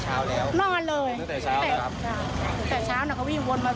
ทนแล้วก็กิ้งมากับรถเราอย่างนี้